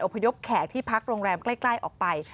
พยพแขกที่พักโรงแรมใกล้ออกไป